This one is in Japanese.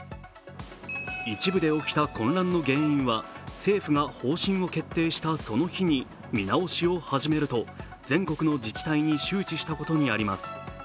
一部で起きた混乱の原因は政府が方針を決定したその日に見直しを始めると全国の自治体に周知したことにあります。